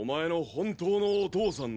本当のお父さん！